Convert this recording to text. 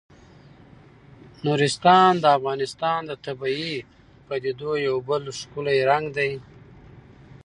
نورستان د افغانستان د طبیعي پدیدو یو بل ښکلی رنګ دی.